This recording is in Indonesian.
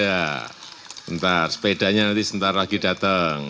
nanti sepedanya nanti sebentar lagi datang